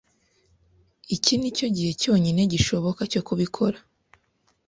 Iki nicyo gihe cyonyine gishoboka cyo kubikora.